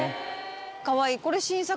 かわいい。